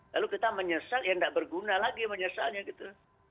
lalu kita menyesal ya nggak berguna lagi menyesalnya gitu